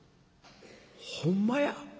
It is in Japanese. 「ほんまや。